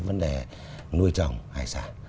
vấn đề nuôi chồng hải sản